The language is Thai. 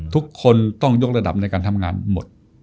ทุกคนต้องยกระดับในการทำงานหมด